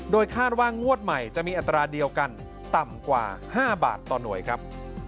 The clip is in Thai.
คาดว่างวดใหม่จะมีอัตราเดียวกันต่ำกว่า๕บาทต่อหน่วยครับ